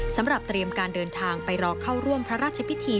สำหรับเตรียมการเดินทางไปรอเข้าร่วมพระราชพิธี